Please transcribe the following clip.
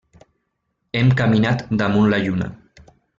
Hem caminat damunt la Lluna.